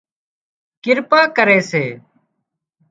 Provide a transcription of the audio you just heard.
ڪرپا ڪري سي